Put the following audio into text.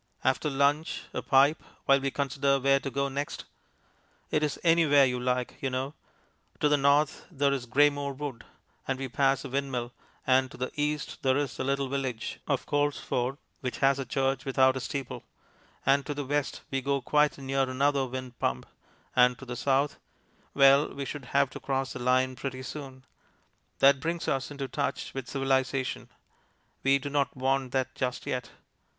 After lunch a pipe, while we consider where to go next. It is anywhere you like, you know. To the north there is Greymoor Wood, and we pass a windmill; and to the east there is the little village of Colesford which has a church without a steeple; and to the west we go quite near another wind pump; and to the south well, we should have to cross the line pretty soon. That brings us into touch with civilization; we do not want that just yet.